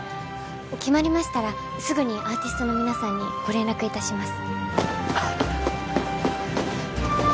決まりましたらすぐにアーティストの皆さんにご連絡いたします